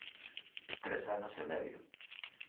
Tres anos e medio.